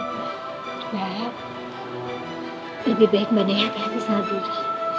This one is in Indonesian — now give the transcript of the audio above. mbak lebih baik mbak naya hati hati sama billy